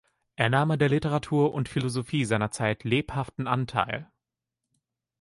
Er nahm an der Literatur und Philosophie seiner Zeit lebhaften Anteil.